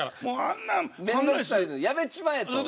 面倒くさいのやめちまえと。